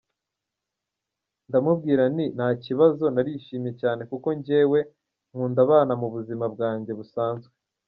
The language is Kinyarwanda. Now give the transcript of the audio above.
Ndamubwira nti nta kibazo, narishimye cyane kuko njyewe nkunda abana mu buzima bwanjye busanzwe.